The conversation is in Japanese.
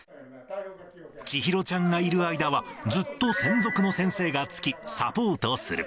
千尋ちゃんがいる間は、ずっと専属の先生がつき、サポートする。